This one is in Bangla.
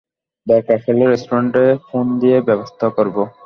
দরকার পড়লে রেস্টুরেন্টে ফোন দিয়ে ব্যবস্থা করব।